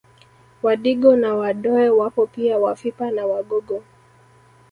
Wadigo na Wadoe wapo pia Wafipa na Wagogo